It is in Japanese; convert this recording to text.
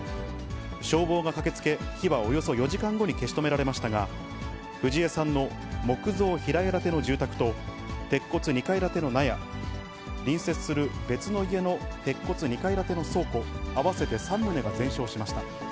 消防が駆けつけ、火はおよそ４時間後に消し止められましたが、藤江さんの木造平屋建ての住宅と、鉄骨２階建ての納屋、隣接する別の家の鉄骨２階建ての倉庫、合わせて３棟が全焼しました。